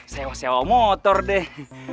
sewa sewa motor deh